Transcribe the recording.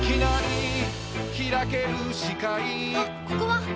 ここは！